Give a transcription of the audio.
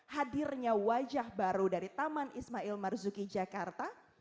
hadirnya wajah baru dari taman ismail marzuki jakarta